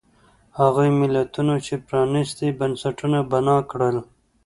هغو ملتونو چې پرانیستي بنسټونه بنا کړل.